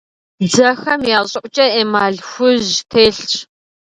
Дзэхэм я щӀыӀукӀэ эмаль хужь телъщ.